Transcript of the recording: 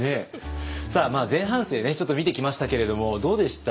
前半生ねちょっと見てきましたけれどもどうでした？